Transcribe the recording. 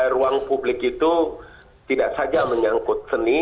ruang publik itu tidak saja menyangkut seni